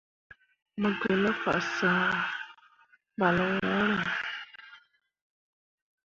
Mo gi ne fasah ɓal ŋwǝǝre.